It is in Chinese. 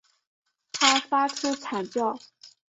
他发出惨叫